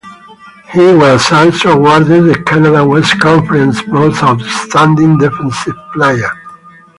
He was also awarded the Canada West Conference Most Outstanding Defensive player.